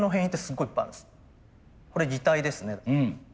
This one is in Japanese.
これ擬態ですね。